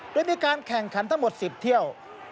โดยมีการแข่งขันทั้งหมด๑๐เที่ยว